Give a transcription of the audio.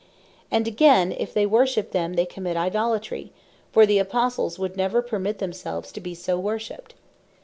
And again, if they worship them, they commit Idolatry; for the Apostles would never permit themselves to be so worshipped.